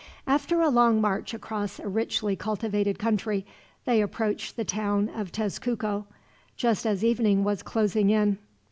After a long march across a richly cultivated country, they approached the town of Tezcuco just as evening was closing in.